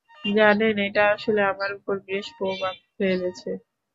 জানেন, এটা আসলে আমার উপর বেশ প্রভাব ফেলেছে।